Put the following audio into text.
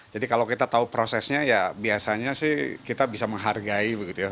jadi kalau kita tahu prosesnya ya biasanya sih kita bisa menghargai begitu ya